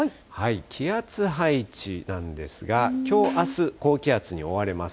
気圧配置なんですが、きょう、あす、高気圧に覆われます。